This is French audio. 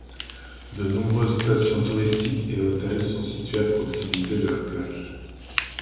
De nombreuses stations touristiques et hôtels sont situés à proximité de la plage.